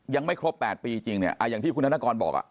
ยังไม่ครบ๘ปีจริงเนี่ยอย่างที่คุณธนกรบอก